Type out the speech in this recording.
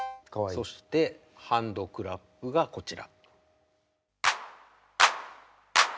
そしてハンドクラップがこちら。